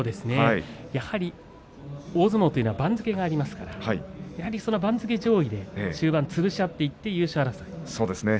やはり大相撲というのは番付がありますからその番付上位で終盤つぶし合って優勝争いと。